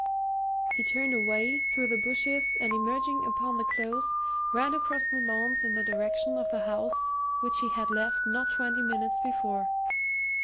He turned away through the bushes and emerging upon the Close ran across the lawns in the direction of the house which he had left not twenty minutes before.